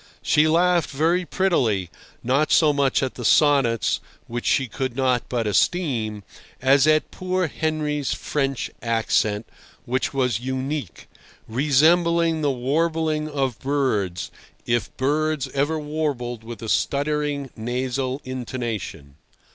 She laughed very prettily, not so much at the sonnets, which she could not but esteem, as at poor Henry's French accent, which was unique, resembling the warbling of birds, if birds ever warbled with a stuttering, nasal intonation.